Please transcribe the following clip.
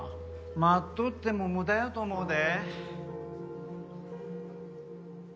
待っとっても無駄やと思うで。